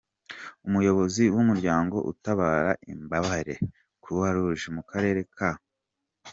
Umuyobozi w’Umuryango utabara imbabare, Croix Rouge mu karere ka .